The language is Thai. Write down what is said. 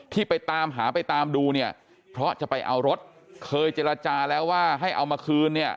ที่ไปตามหาไปตามดูเนี่ยเพราะจะไปเอารถเคยเจรจาแล้วว่าให้เอามาคืนเนี่ย